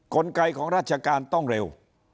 กลไกของราชการต้องเร็ว